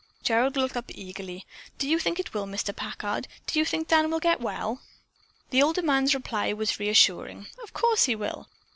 Gerald looked up eagerly. "Do you think it will, Mr. Packard? Do you think Dan will get well?" The older man's reply was reassuring: "Of course he will.